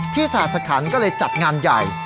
ที่สหภัณฑ์ก็เลยจัดงานใหญ่